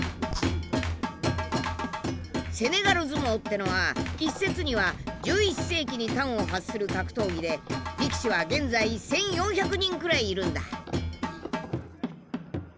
セネガル相撲ってのは一説には１１世紀に端を発する格闘技で力士は現在１，４００人くらいいるんだ。